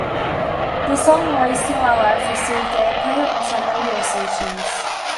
The song "Wasting My Life" received airplay on some radio stations.